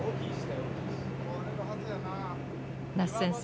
奈須先生